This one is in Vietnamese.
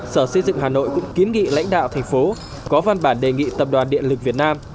sở xây dựng hà nội cũng kiến nghị lãnh đạo thành phố có văn bản đề nghị tập đoàn điện lực việt nam